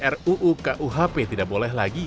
ruukuhp tidak boleh lagi